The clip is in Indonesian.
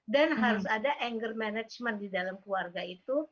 dan harus ada anger management di dalam keluarga itu